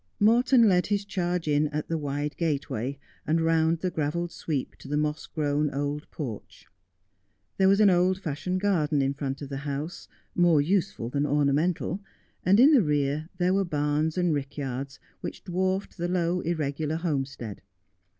Morton led his charge in at the wide gateway, and round the gravelled sweep to the moss grown old porch. There was an old fashioned garden in front of the house, more useful than orna mental, and in the rear there were bains and rickyards which Link by Link. 113 dwarfed the low, irregular homestead.